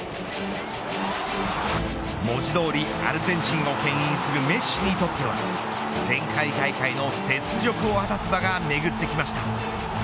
文字通りアルゼンチンをけん引するメッシにとっては前回大会の雪辱を果たす場がめぐってきました。